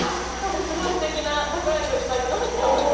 すごいすてきなサプライズを頂いたなって思いました。